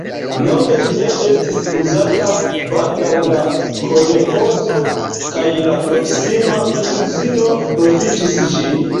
Longe ĝi ne estis uzata, baldaŭ la kolĥozo kaj la proksima uzino profitis ĝin.